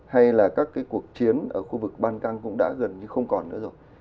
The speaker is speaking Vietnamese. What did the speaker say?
hay là các cái cuộc chiến ở khu vực ban căng cũng đã gần như không còn nữa rồi